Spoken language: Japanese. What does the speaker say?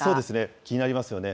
気になりますよね。